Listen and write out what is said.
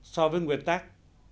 so với nguyên tác